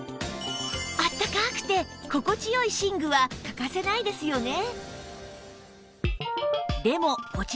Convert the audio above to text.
あったかくて心地良い寝具は欠かせないですよね